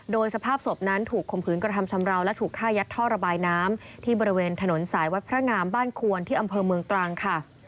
โดยสภาพศพนั้นถูกข่มขืนกระทำชำราวและถูกฆ่ายัดท่อระบายน้ำที่บริเวณถนนสายวัดพระงามบ้านควรที่อำเภอเมืองตรังค่ะ